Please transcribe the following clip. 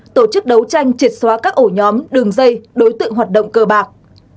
tổ chức đấu tranh triệt xóa các ổ nhóm đường dây đối tượng hoạt động cơ bạc